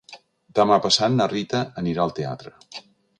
Demà passat na Rita anirà al teatre.